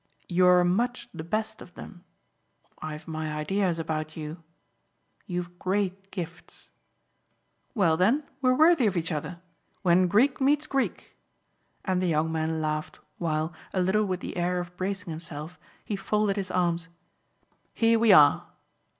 "You're much the best of them. I've my ideas about you. You've great gifts." "Well then, we're worthy of each other. When Greek meets Greek !" and the young man laughed while, a little with the air of bracing himself, he folded his arms. "Here we are."